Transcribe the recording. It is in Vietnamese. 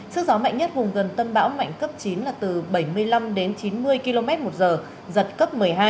sức gió mạnh nhất vùng gần tâm bão mạnh cấp chín là từ bảy mươi năm đến chín mươi km một giờ giật cấp một mươi hai